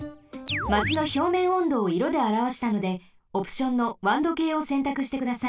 マチのひょうめんおんどをいろであらわしたのでオプションのワンどけいをせんたくしてください。